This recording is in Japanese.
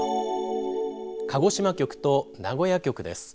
鹿児島局と名古屋局です。